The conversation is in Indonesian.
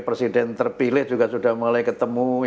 presiden terpilih juga sudah mulai ketemu